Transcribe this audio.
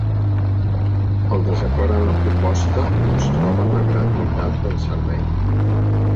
El desacord en la proposta no es troba en la gratuïtat del servei.